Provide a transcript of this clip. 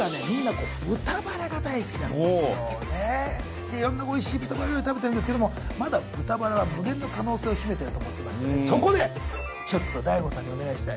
私ね色んなおいしい豚バラ料理食べてるんですけれどもまだ豚バラは無限の可能性を秘めていると思ってましてそこでちょっとＤＡＩＧＯさんにお願いしたい